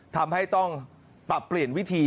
ทำให้ต้องปรับเปลี่ยนวิธี